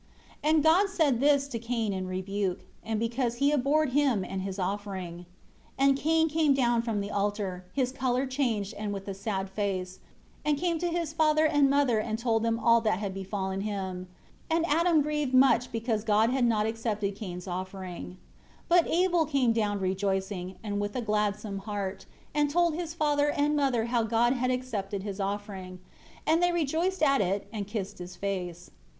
27 And God said this to Cain in rebuke, and because He abhorred him and his offering. 28 And Cain came down from the altar, his color changed and with a sad face, and came to his father and mother and told them all that had befallen him. And Adam grieved much because God had not accepted Cain's offering. 29 But Abel came down rejoicing, and with a gladsome heart, and told his father and mother how God had accepted his offering. And they rejoiced at it and kissed his face.